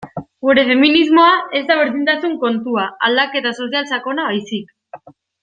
Gure feminismoa ez da berdintasun kontua, aldaketa sozial sakona baizik.